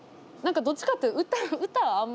何かどっちかって歌は